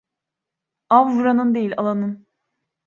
Av vuranın değil alanın.